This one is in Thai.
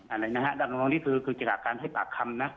อันนี้คือจากการให้ปากคำนะ